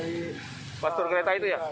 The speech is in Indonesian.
dari pasur kereta itu ya